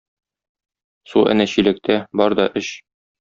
Су әнә чиләктә, бар да эч